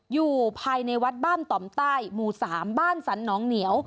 อยู่ภายในวัดบ้านต่อมใต้หมู่๓บ้านสรรหนองเหนียว